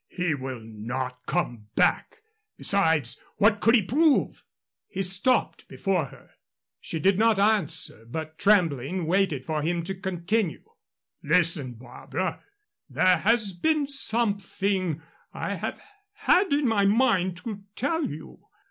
"He will not come back. Besides, what could he prove?" He stopped before her. She did not answer, but, trembling, waited for him to continue. "Listen, Barbara. There has been something I have had in my mind to tell you.